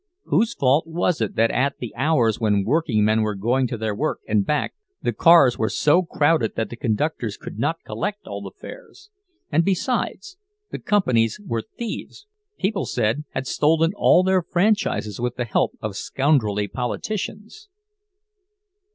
Whose fault was it that at the hours when workingmen were going to their work and back, the cars were so crowded that the conductors could not collect all the fares? And besides, the companies were thieves, people said—had stolen all their franchises with the help of scoundrelly politicians!